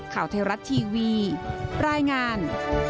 ข่าวไทยรัฐทีวีรายงาน